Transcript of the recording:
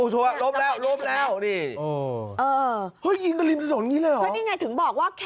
อุ๊บอิ๊บ